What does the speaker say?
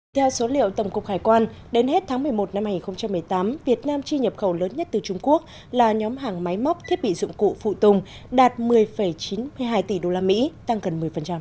theo số liệu tổng cục hải quan đến hết tháng một mươi một năm hai nghìn một mươi tám việt nam chi nhập khẩu lớn nhất từ trung quốc là nhóm hàng máy móc thiết bị dụng cụ phụ tùng đạt một mươi chín mươi hai tỷ usd tăng gần một mươi